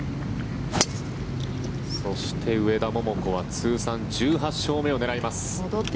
そして、上田桃子は通算１８勝目を狙います。